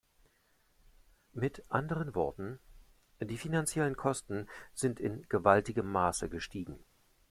Mit anderen Worten, die finanziellen Kosten sind in gewaltigem Maße gestiegen.